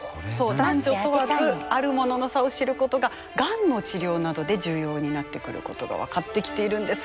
男女問わずあるものの差を知ることががんの治療などで重要になってくることが分かってきているんです。